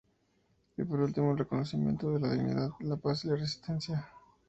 Y por último, el reconocimiento de la dignidad, la paz y la resistencia.